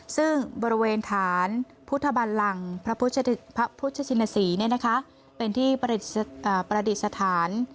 ซึ่งบริเวณฐานพุทธบันลังพระพุทธชินศรีเป็นที่ประดิษฐาน